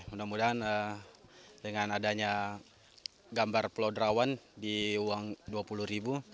mudah mudahan dengan adanya gambar pulau drawan di uang rp dua puluh ribu